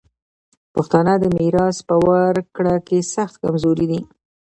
پښتانه د میراث په ورکړه کي سخت کمزوري دي.